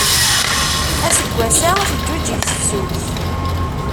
Aseggas-a teǧuǧeg tefsut.